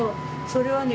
それはね